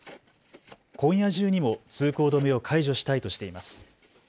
今夜中にも通行止めを解除したいとしています。